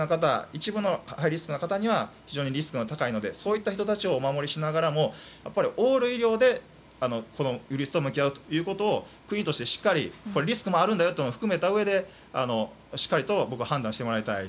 一部のハイリスクの方には非常にリスクが高いのでそういった人たちをお守りしながらもオール医療でウイルスと向き合うということを国としてしっかりリスクもあるんだと含めたうえで判断してもらいたい。